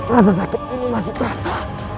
rasa sakit ini masih terasa